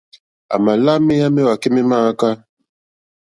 À mà lá méyá méwàkɛ́ mé mááká.